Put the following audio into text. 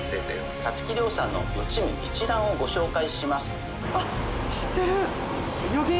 たつき諒さんの予知夢一覧をご紹介します。